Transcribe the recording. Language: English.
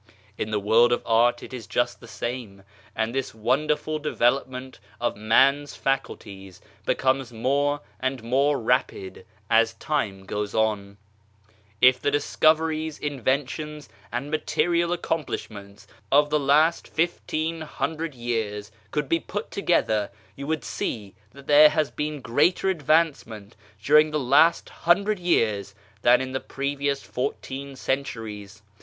In the world of art it is just the same, and this wonder ful development of man's faculties becomes more' and more rapid as time goes on ! If the discoveries, in ventions and material accomplishments of the last fifteen hundred years could be put together, you would see that there has been greater advancement during the last hundred years than in the previous fourteen cen turies.